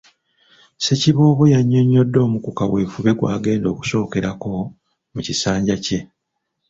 Ssekiboobo yannyonnyodde omu ku kaweefube gw’agenda okusookerako mu kisanja kye.